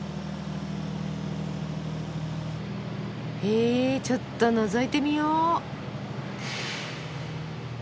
へちょっとのぞいてみよう。